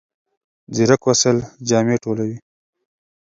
ځیرک وسایل جامې ټولوي.